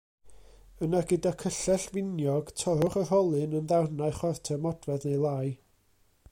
Yna gyda cyllell finiog torrwch y rholyn yn ddarnau chwarter modfedd neu lai.